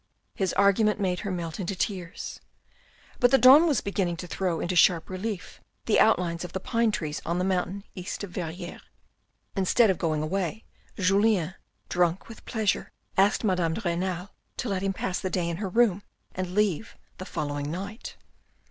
His argument made her melt into tears. But the dawn was beginning to throw into sharp relief the outlines of the pine trees on the mountain east of Verrieres. Instead of going away Julien, drunk with pleasure, asked Madame de Renal to let him pass the day in her room and leave the following night.